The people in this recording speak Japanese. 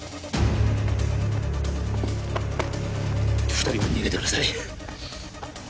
２人は逃げてください